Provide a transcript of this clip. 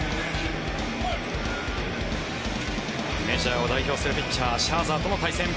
メジャーを代表するピッチャーシャーザーとの対戦。